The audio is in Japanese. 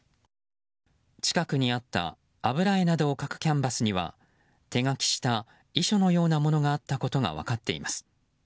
近くにあった油絵などを描くキャンバスには手書きした遺書のようなものがあったことが分かっています。